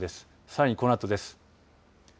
さらに、このあとです。